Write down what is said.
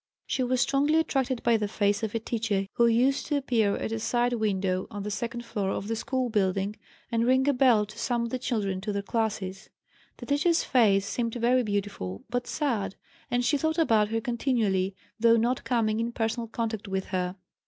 She was strongly attracted by the face of a teacher who used to appear at a side window on the second floor of the school building and ring a bell to summon the children to their classes. The teacher's face seemed very beautiful, but sad, and she thought about her continually, though not coming in personal contact with, her.